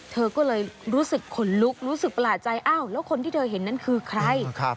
เธอก็เลยรู้สึกขนลุกรู้สึกประหลาดใจอ้าวแล้วคนที่เธอเห็นนั้นคือใคร